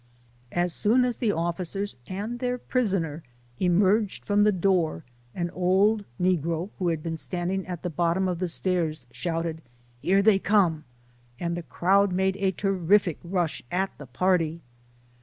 As soon as the offi cers and their prisoner emerged from the door, an old negro, who had been standing at the bottom of LIFE OF HARRIET TUBMAN. 97 the stairs, shouted, " Here they come," and the crowd made a terrific rush at the party.